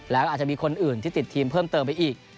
แล้วก็อาจจะมีคนอื่นที่ติดทีมเพิ่มเติมไปอีก